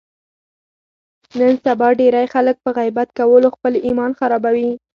نن سبا ډېری خلک په غیبت کولو خپل ایمان خرابوي.